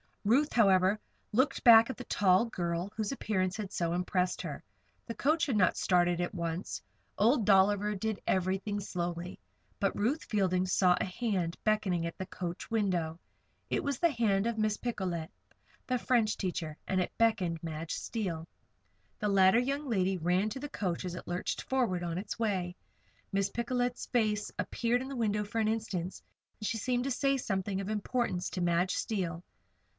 Ruth, however, looked back at the tall girl whose appearance had so impressed her. The coach had not started on at once. Old Dolliver did everything slowly. But Ruth Fielding saw a hand beckoning at the coach window. It was the hand of Miss Picolet, the French teacher, and it beckoned Madge Steele. The latter young lady ran to the coach as it lurched forward on its way. Miss Picolet's face appeared at the window for an instant, and she seemed to say something of importance to Madge Steele.